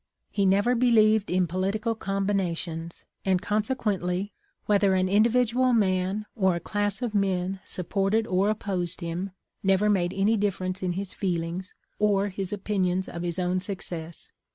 " He never believed in political combinations. S30 THE LIFE OF LINCOLN. and consequently, whether an individual man or class of men supported or opposed him, never made any difference in his feelings, or his opinions of his own success.